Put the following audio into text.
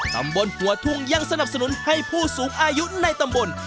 ตำบลหัวทุ่งยังสนับสนุนให้ผู้สูงอายุในตำบล